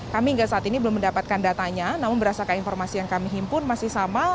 kami hingga saat ini belum mendapatkan datanya namun berdasarkan informasi yang kami himpun masih sama